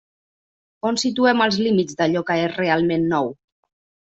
On situem els límits d'allò que és realment nou?